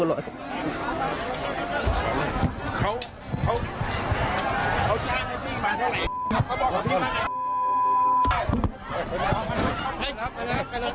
เขาขอพี่มาเท่าไหร่